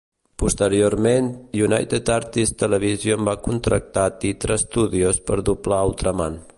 Posteriorment United Artists Television va contractar Titra Studios per doblar "Ultraman".